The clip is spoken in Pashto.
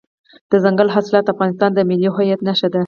دځنګل حاصلات د افغانستان د ملي هویت نښه ده.